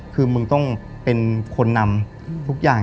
คือมึงต้องเป็นคนนำทุกอย่าง